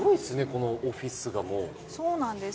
このオフィスがもうそうなんです